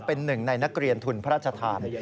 เป็นหนึ่งในนักเรียนทุนพระราชทาน